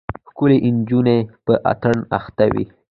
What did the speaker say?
ښکلې نجونه په اتڼ اخته وې.